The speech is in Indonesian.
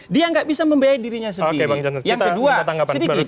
dia tidak bisa membiayai dirinya sendiri